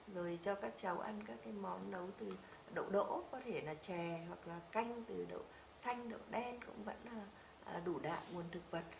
rồi cho các cháu ăn các cái món nấu từ đậu đỗ có thể là chè hoặc là canh từ đậu xanh nự đen cũng vẫn đủ đạm nguồn thực vật